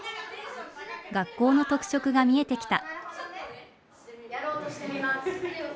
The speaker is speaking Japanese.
学校の特色が見えてきた。